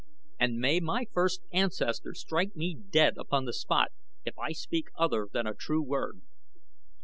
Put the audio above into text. And may my first ancestor strike me dead upon the spot if I speak other than a true word!"